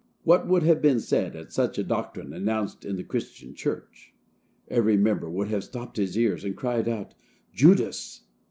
What would have been said at such a doctrine announced in the Christian church? Every member would have stopped his ears, and cried out, "Judas!"